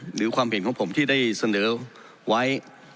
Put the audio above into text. หรือความเห็นของผมที่ได้เสนอไว้